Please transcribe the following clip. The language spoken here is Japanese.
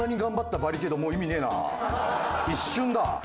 一瞬だ。